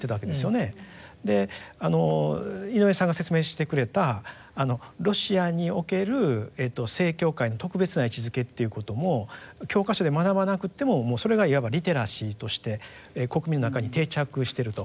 井上さんが説明してくれたロシアにおける正教会の特別な位置づけっていうことも教科書で学ばなくてももうそれがいわばリテラシーとして国民の中に定着してると。